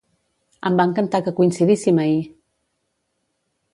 Em va encantar que coincidíssim ahir!